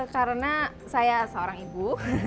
karena saya seorang ibu